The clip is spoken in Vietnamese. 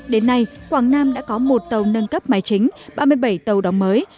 đến nay quảng nam đã có một tàu nâng cấp máy chính ba mươi bảy tàu đóng mới